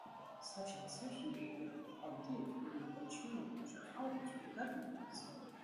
Such uncertainty could and did permit the charge of arbitrary government.